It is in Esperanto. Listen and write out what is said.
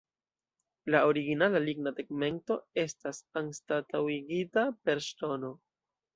La originala ligna tegmento estas anstataŭigita per ŝtono.